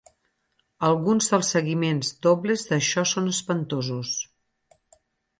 Alguns dels seguiments dobles d'això són espantosos.